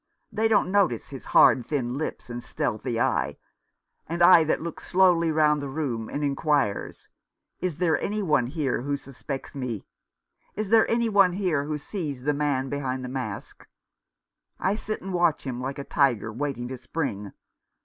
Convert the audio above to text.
They don't notice his hard thin lip and stealthy eye — an eye that looks slowly 274 Mr. Faunce continues. round the room and inquires, Is there any one here who suspects me ? Is there any one who sees the man behind the mask ? I sit and watch him like a tiger waiting to spring.